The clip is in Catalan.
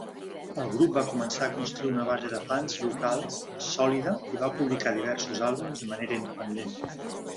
El grup va començar a construir una base de fans locals sòlida i va publicar diversos àlbums de manera independent.